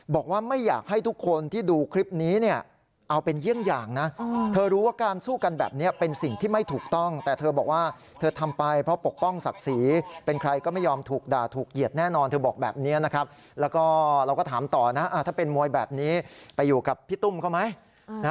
สำคัญเพราะว่าตั้งฝ่ายนั้นอย่างที่เขาบอกว่า